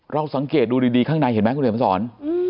เราสังเกตดูดีข้างในเห็นไหมคุณเดชน์พระสร